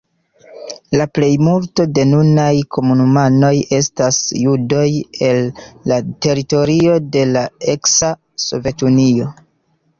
La plejmulto de nunaj komunumanoj estas judoj el la teritorio de la eksa Sovetunio.